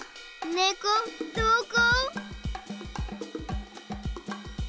ねこどこ？